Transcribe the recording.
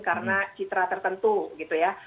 karena citra tertentu gitu ya